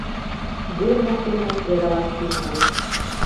Ер воктене кредалаш тӱҥальыч.